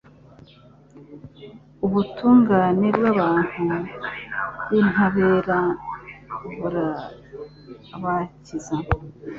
Ubutungane bw’abantu b’intabera burabakiza